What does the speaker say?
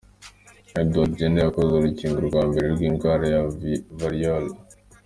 Edward Jenner yakoze urukingo rwa mbere rw’indwara ya Variole.